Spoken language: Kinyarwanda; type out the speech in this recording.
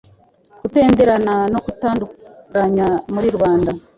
Kutenderana no kutanduranya muri rubanda